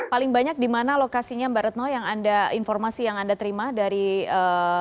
paling banyak dimana lokasinya mbak ratno yang anda informasi yang anda terima dari fsgi